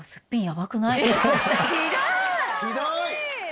ひどい！